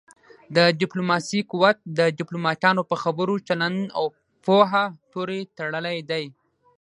د ډيپلوماسی قوت د ډيپلوماټانو په خبرو، چلند او پوهه پورې تړلی دی.